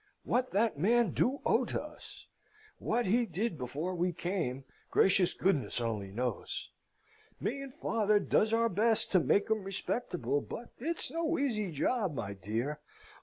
What that man do owe to us: what he did before we come gracious goodness only knows! Me and father does our best to make him respectable: but it's no easy job, my dear.